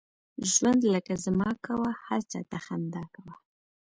ژوند لکه زما کوه ، هر چاته خنده کوه!